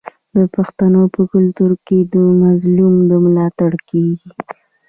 د پښتنو په کلتور کې د مظلوم ملاتړ کیږي.